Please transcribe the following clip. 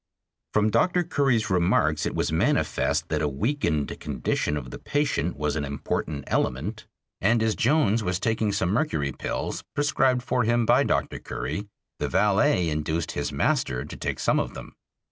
From Dr. Curry's remarks it was manifest that a weakened condition of the patient was an important element, and as Jones was taking some mercury pills (prescribed for him by Dr. Curry), the valet induced his master to take some of them.